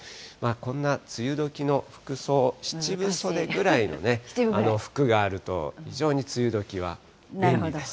こんな梅雨時の服装、７分袖くらいのね、服があると非常に梅雨時は便利です。